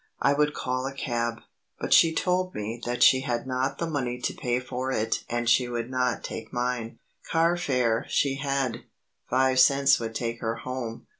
I would call a cab; but she told me that she had not the money to pay for it and she would not take mine. Carfare she had; five cents would take her home.